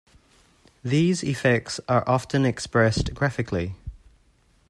These effects are often expressed graphically.